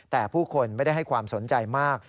แต่ผู้คนไม่ได้ให้ความสนใจมาก